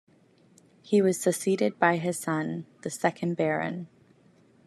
He was succeeded by his son, the second Baron.